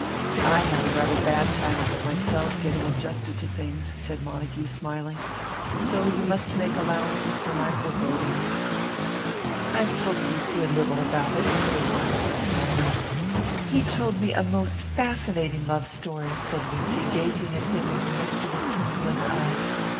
"I had a rather bad time of it myself, getting adjusted to things," said Montague, smiling. "So you must make allowances for my forebodings." "I've told Lucy a little about it," put in Oliver, drily. "He told me a most fascinating love story!" said Lucy, gazing at him with a mischievous twinkle in her eyes.